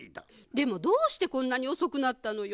でもどうしてこんなにおそくなったのよ？